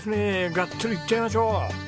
ガッツリいっちゃいましょう。